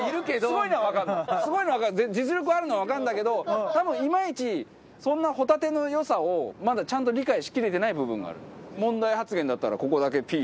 すごいのはわかる実力あるのはわかるんだけど多分いまいちそんなホタテの良さをまだちゃんと理解しきれてない部分がある。